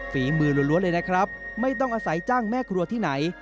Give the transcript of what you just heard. ฝีมือล้วนเลยนะครับไม่ต้องอาศัยจ้างแม่ครัวที่ไหน